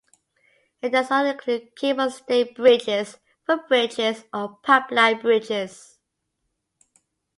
It does not include cable-stayed bridges, footbridges, or pipeline bridges.